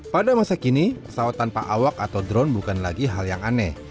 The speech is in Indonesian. pada masa kini pesawat tanpa awak atau drone bukan lagi hal yang aneh